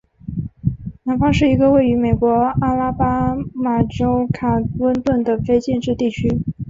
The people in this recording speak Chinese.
南方是一个位于美国阿拉巴马州卡温顿县的非建制地区。